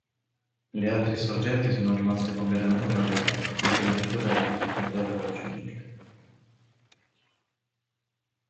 Le altre sorgenti sono rimaste completamente "naturali", anche in virtù della difficoltà per raggiungerle.